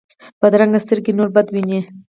بدرنګه سترګې نور بد ویني